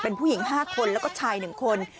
เป็นผู้หญิง๕คนแล้วก็ชาย๑คน